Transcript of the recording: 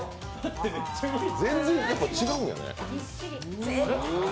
全然違うんやね。